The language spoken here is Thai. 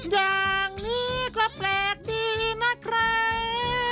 อย่างนี้ก็แปลกดีนะครับ